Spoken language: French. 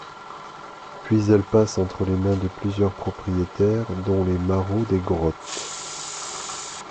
Puis elle passe entre les mains de plusieurs propriétaires dont les Marraud des Grottes.